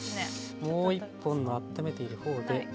もう一本のあっためているほうで。